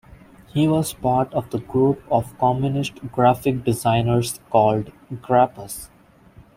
He was part of the group of Communist graphic designers called Grapus.